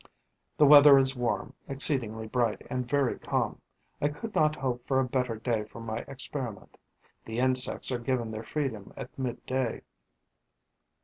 The weather is warm, exceedingly bright and very calm; I could not hope for a better day for my experiment. The insects are given their freedom at mid day.